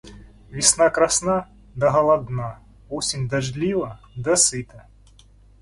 Весна красна, да голодна; осень дождлива, да сыта.